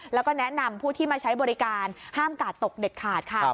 แล้วก็แนะนำผู้ที่มาใช้บริการห้ามกาดตกเด็ดขาดค่ะ